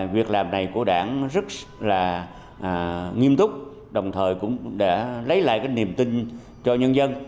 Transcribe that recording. việc làm này của đảng rất là nghiêm túc đồng thời cũng đã lấy lại cái niềm tin cho nhân dân